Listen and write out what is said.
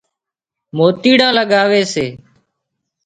موتيڙان لڳاوي سي